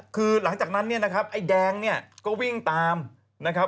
คือหลังจากนั้นเนี่ยนะครับไอ้แดงเนี่ยก็วิ่งตามนะครับ